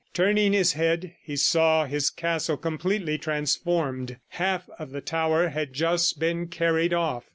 Turning his head, he saw his castle completely transformed. Half of the tower had just been carried off.